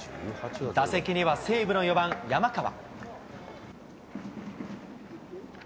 打席には西武の４番山川。